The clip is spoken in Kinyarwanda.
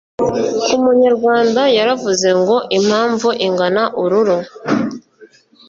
umunyarwanda yaravuze ngo: «impamvu ingana ururo».